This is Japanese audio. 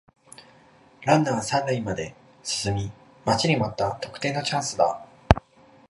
ランナー三塁まで進み待ちに待った得点のチャンスだ